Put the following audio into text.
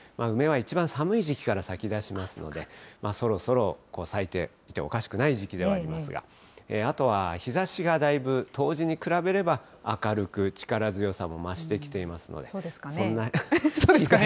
梅は一番寒い時期から咲きだしますので、そろそろ咲いていてもおかしくない時期ではありますが、あとは日ざしがだいぶ、冬至に比べれば、明るく、力強さも増してきていますので、そんな。